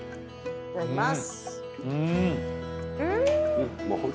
いただきます。